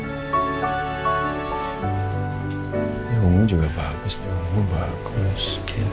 ini ungu juga bagus nih ungu bagus